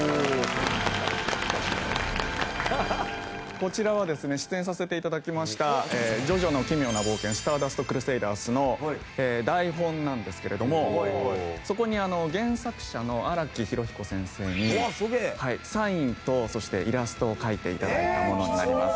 こちらはですね出演させて頂きました『ジョジョの奇妙な冒険スターダストクルセイダース』の台本なんですけれどもそこに原作者の荒木飛呂彦先生にサインとそしてイラストを描いて頂いたものになります。